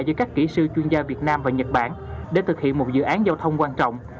giữa các kỹ sư chuyên gia việt nam và nhật bản để thực hiện một dự án giao thông quan trọng